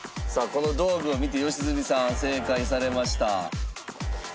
この道具を見て良純さん正解されました。